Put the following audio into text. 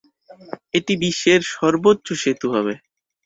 এটি বিশ্বের সর্বোচ্চ সেতু হবে।